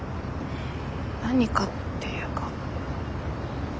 何かっていうか。